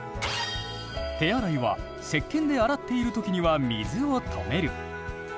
手洗いはせっけんで洗ってる時には水を止める。